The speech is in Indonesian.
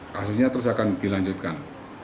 kasusnya terus akan dilanjutkan